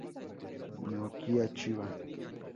Naoki Chiba